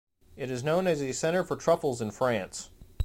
It is known as a centre for truffles in France.